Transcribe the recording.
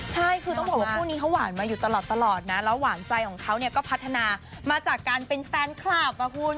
ใช่คือต้องบอกว่าคู่นี้เขาหวานมาอยู่ตลอดนะแล้วหวานใจของเขาเนี่ยก็พัฒนามาจากการเป็นแฟนคลับอ่ะคุณ